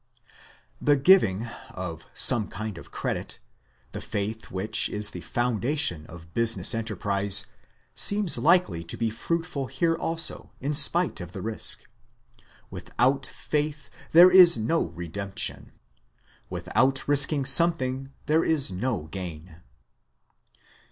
The giving of some kind of credit, the faith which is the foundation of business enterprise, seems likely to be fruitful here also, in spite of the risk. "Without faith there is no redemption." Without risking something there is no gain.